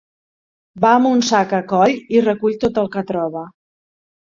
Va amb un sac a coll i recull tot el que troba.